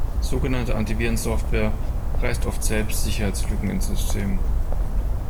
Sogenannte Antivirensoftware reißt oft selbst Sicherheitslücken ins System.